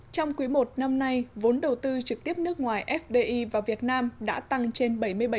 trong quý i năm nay vốn đầu tư trực tiếp nước ngoài fdi vào việt nam đã tăng trên bảy mươi bảy